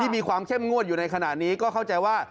มีความเข้มงวดอยู่ในขณะนี้ก็เข้าใจว่า